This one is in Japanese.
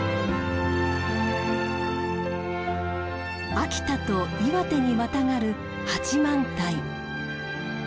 秋田と岩手にまたがる八幡平。